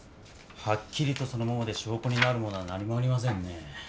はっきりとそのままで証拠になるものは何もありませんね。